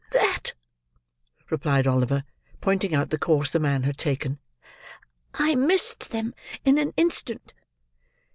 "That," replied Oliver, pointing out the course the man had taken; "I missed them in an instant."